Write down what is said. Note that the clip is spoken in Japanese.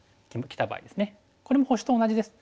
これも星と同じです。